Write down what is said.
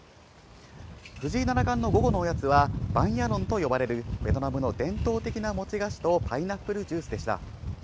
藤井七冠の午後のおやつは、バンヤロンと呼ばれるベトナムの伝統的な餅菓子とパイナップルジュースでした。